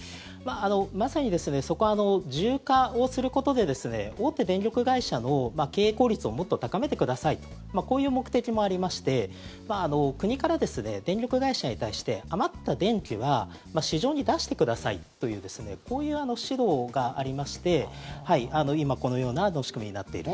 まさに自由化をすることで大手電力会社の経営効率をもっと高めてくださいこういう目的もありまして国から電力会社に対して余った電気は市場に出してくださいというこういう指導がありまして今、このような仕組みになっている。